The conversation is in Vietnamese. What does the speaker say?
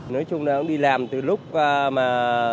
nói chung là đi làm từ lúc mà